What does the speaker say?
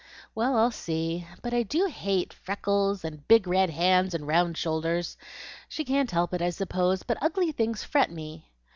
"Well, I'll see. But I do hate freckles and big red hands, and round shoulders. She can't help it, I suppose, but ugly things fret me."